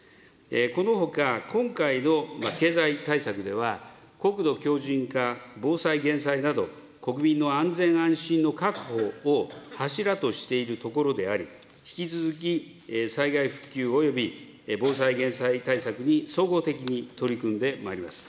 このほか今回の経済対策では、国土強じん化、防災・減災など、国民の安全安心の確保を柱としているところであり、引き続き災害復旧および防災・減災対策に総合的に取り組んでまいります。